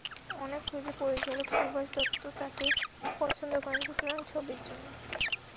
অনেক খুঁজে পরিচালক সুভাষ দত্ত তাঁকে পছন্দ করেন সুতরাং ছবির জন্য।